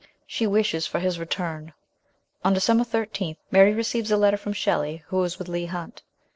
She wishes for his return. On December 13 Mary re ceives a letter from Shelley, who is with Leigh Hunt.